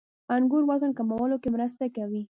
• انګور وزن کمولو کې مرسته کوي.